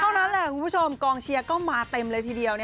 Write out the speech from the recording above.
เท่านั้นแหละคุณผู้ชมกองเชียร์ก็มาเต็มเลยทีเดียว